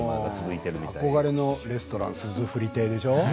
憧れのレストランすずふり亭でしょ。